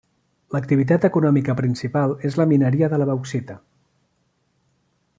L'activitat econòmica principal és la mineria de la bauxita.